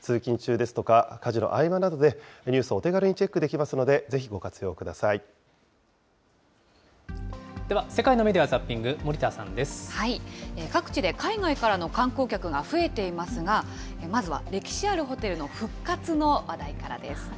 通勤中ですとか、家事の合間などでニュースをお手軽にチェックででは世界のメディア・ザッピ各地で海外からの観光客が増えていますが、まずは歴史あるホテルの復活の話題からです。